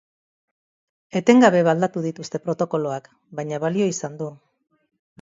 Etengabe aldatu dituzte protokoloak, baina balio izan du.